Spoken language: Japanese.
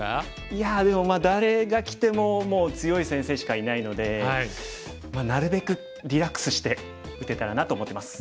いやでも誰がきてももう強い先生しかいないのでなるべくリラックスして打てたらなと思ってます。